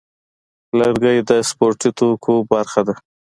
لرګی د سپورتي توکو برخه ده.